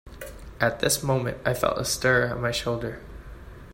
At this moment I felt a stir at my shoulder.